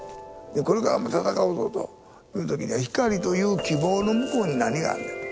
これからも闘うぞという時には光という希望の向こうに何があんのやと。